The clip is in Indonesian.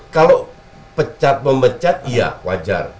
kalau pecat memecat iya wajar